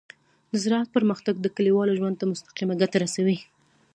د زراعت پرمختګ د کليوالو ژوند ته مستقیمه ګټه رسوي.